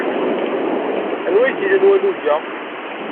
Anwa ay t-ilan walug-a?